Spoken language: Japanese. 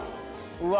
うわ！